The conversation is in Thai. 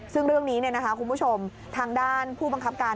ซึ่งเรื่องนี้คุณผู้ชมทางด้านผู้บังคับการ